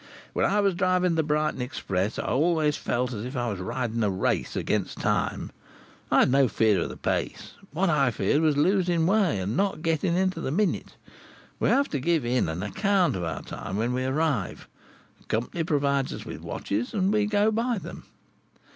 When I was driving the Brighton express, I always felt like as if I was riding a race against time. I had no fear of the pace; what I feared was losing way, and not getting in to the minute. We have to give in an account of our time when we arrive. The company provides us with watches, and we go by them.